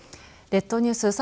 列島ニュース